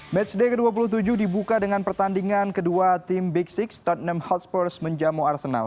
matchday ke dua puluh tujuh dibuka dengan pertandingan kedua tim big enam tottenham hotspurs menjamu arsenal